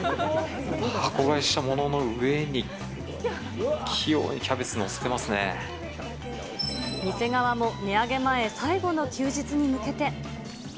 箱買いしたものの上に、器用にキャベツ、店側も値上げ前、最後の休日に向けて。